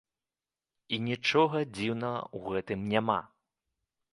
І нічога дзіўнага ў гэтым няма.